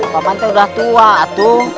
paman teh udah tua atu